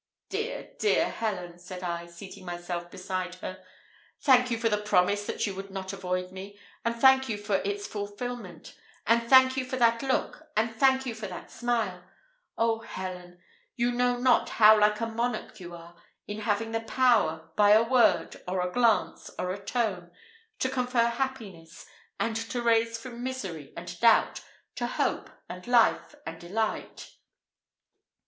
"Dear, dear Helen," said I, seating myself beside her, "thank you for the promise that you would not avoid me, and thank you for its fulfilment; and thank you for that look, and thank you for that smile. Oh, Helen! you know not how like a monarch you are, in having the power, by a word, or a glance, or a tone, to confer happiness, and to raise from misery and doubt, to hope, and life, and delight."